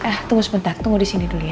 eh eh tunggu sebentar tunggu disini dulu ya